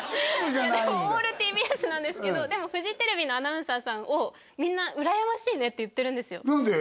でもオールＴＢＳなんですけどでもフジテレビのアナウンサーさんをみんなうらやましいねって言ってるんですよ何で？